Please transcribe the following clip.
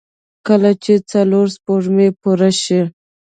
کله چې څلور سپوږمۍ پوره شي.